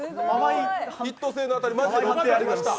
ヒット性の当たりマジで６球出ました。